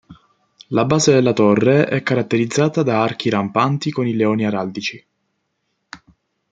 La base della torre è caratterizzata da archi rampanti con i leoni araldici.